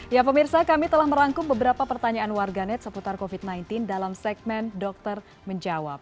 ya pemirsa kami telah merangkum beberapa pertanyaan warganet seputar covid sembilan belas dalam segmen dokter menjawab